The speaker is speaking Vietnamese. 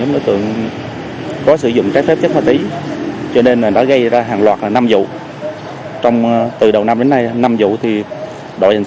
đồng thời xóa sổ chính nhóm tệ nạn xã hội